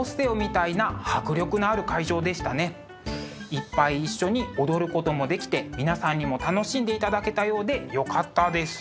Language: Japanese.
いっぱい一緒に踊ることもできて皆さんにも楽しんでいただけたようでよかったです。